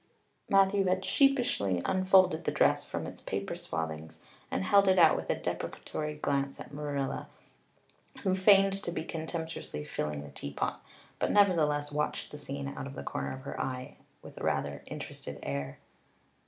Matthew had sheepishly unfolded the dress from its paper swathings and held it out with a deprecatory glance at Marilla, who feigned to be contemptuously filling the teapot, but nevertheless watched the scene out of the corner of her eye with a rather interested air.